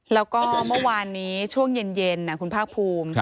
แล้วก็เมื่อวานนี้ช่วงเย็นคุณภาคภูมิ